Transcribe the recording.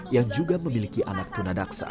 yang juga memiliki anak tunadaksa